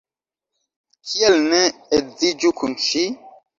Kial ne edziĝu kun ŝi?